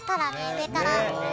上から。